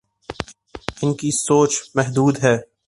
ان کی سوچ محدود ہے۔